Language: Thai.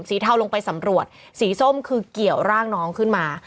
เทาลงไปสำรวจสีส้มคือเกี่ยวร่างน้องขึ้นมา